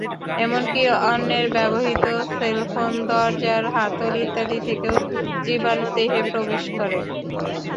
এমনকি অন্যের ব্যবহৃত সেলফোন, দরজার হাতল ইত্যাদি থেকেও জীবাণু দেহে প্রবেশ করে।